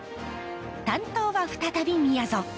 担当は再びみやぞん。